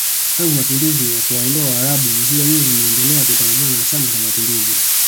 Tangu Mapinduzi ya kuwaondoa waarabu visiwa hivyo vimeendelea kutawaliwa na chama cha mapinduzi